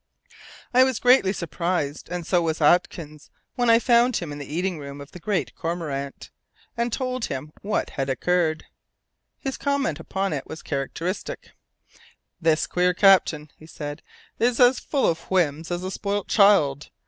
I was greatly surprised, and so was Atkins, when I found him in the eating room of the Green Cormorant and told him what had occurred. His comment upon it was characteristic. "This queer captain," he said, "is as full of whims as a spoilt child!